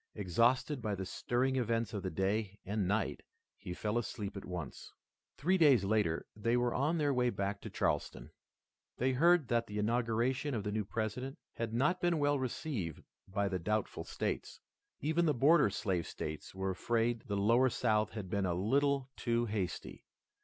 Exhausted by the stirring events of the day and night he fell asleep at once. Three days later they were on their way back to Charleston. They heard that the inauguration of the new President had not been well received by the doubtful states. Even the border slave states were afraid the lower South had been a little too hasty.